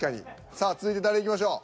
さあ続いて誰いきましょう。